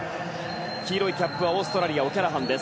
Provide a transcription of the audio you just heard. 黄色いキャップはオーストラリアオキャラハン。